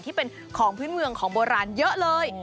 ที่เป็นของพื้นเมืองของโบราณเยอะเลย